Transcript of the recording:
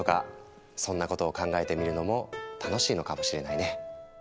そんなことを考えてみるのも楽しいのかもしれないね。